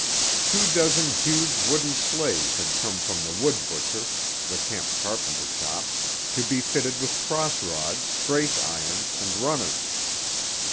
Two dozen huge wooden sleighs had come from the "wood butcher"—the camp carpenter shop—to be fitted with cross rods, brace irons and runners.